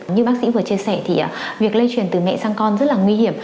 như bác sĩ vừa chia sẻ thì việc lây truyền từ mẹ sang con rất là nguy hiểm